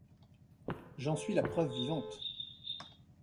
J'en suis la preuve vivante.